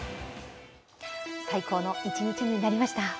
最高の一日になりました。